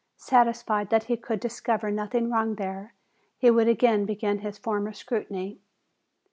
Satisfied that he could discover nothing wrong there, he would again begin his former scrutiny.